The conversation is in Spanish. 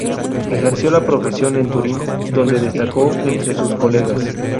Ejerció la profesión en Turín donde destacó entre sus colegas.